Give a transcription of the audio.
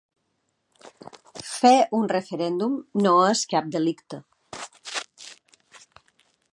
Fer un referèndum no és cap delicte.